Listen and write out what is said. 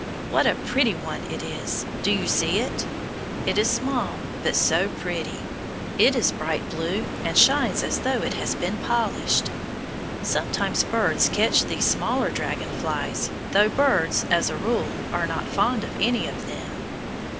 What a pretty one it is! Do you see it? It is small, but so pretty. It is bright blue and shines as though it had been polished. Sometimes birds catch these smaller dragon flies, though birds, as a rule, are not fond of any of them.